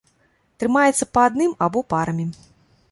Трымаецца па адным або парамі.